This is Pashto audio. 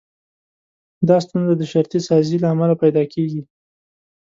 دا ستونزه د شرطي سازي له امله پيدا کېږي.